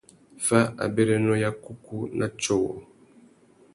Fá abérénô ya kúkú na tiô wôō.